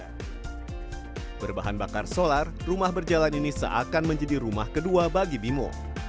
karena berbahan bakar solar rumah berjalan ini seakan menjadi rumah kedua bagi bimo